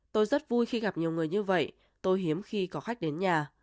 tôi rất vui khi gặp nhiều người như vậy tôi hiếm khi có khách đến nhà